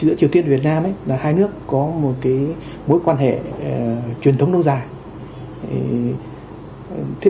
giữa triều tiên và việt nam là hai nước có một mối quan hệ truyền thống lâu dài